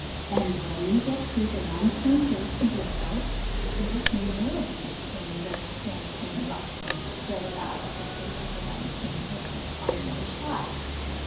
And when you get through the limestone hills to Bristol, you will see more of these same red sandstone rocks, spread about at the foot of the limestone hills, on the other side.